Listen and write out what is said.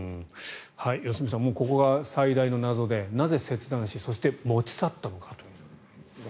良純さんここが最大の謎でなぜ、切断しそして持ち去ったのかと。